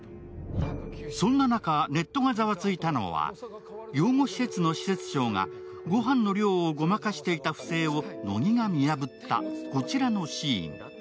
そんな中、ネットがざわついたのは養護施設の施設長がごはんの量をごまかしていた不正を乃木が見破ったこちらのシーン。